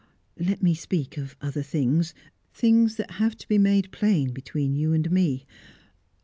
"Let me speak of other things that have to be made plain between you and me.